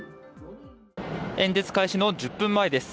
演説開始の１０分前です。